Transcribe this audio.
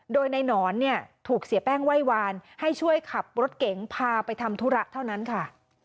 โดยในหนอนเนี่ยถูกเสียแป้งไหว้วานให้ช่วยขับรถเก๋งพาไปทำธุระเท่านั้นค่ะ